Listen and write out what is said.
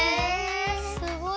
すごい。